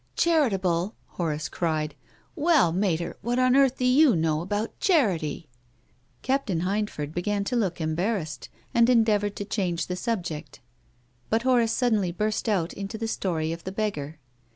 "Charitable!" Horace cried. "Well, Mater, what on carlh do you know about charity? " Captain I lindford began to look embarrassed, and endeavoured to change the subject, but 356 TONGUKS OF CONSCIENCE. Horace suddenly burst out into the story of the beggar.